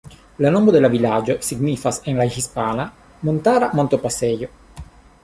La nomo de la vilaĝo signifas en la hispana "Montara Montopasejo".